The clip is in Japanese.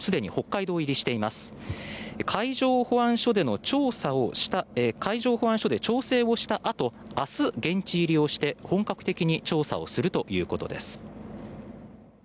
海上保安庁で調整をしたあと明日、現地入りをして本格的に調査をするということです。